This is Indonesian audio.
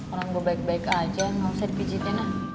orang gue baik baik aja gak usah dipijitin ya